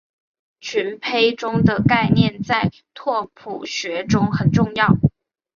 群胚的概念在拓扑学中很重要。